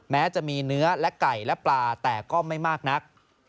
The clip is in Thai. แม้จะมีเนื้อและไก่และปลาแต่ก็ไม่มากนัก